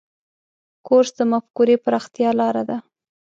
کورس د مفکورې پراختیا لاره ده.